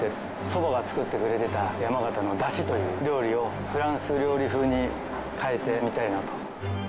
祖母が作ってくれてた山形のだしという料理をフランス料理風に変えてみたいなと。